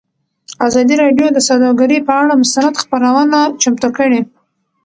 ازادي راډیو د سوداګري پر اړه مستند خپرونه چمتو کړې.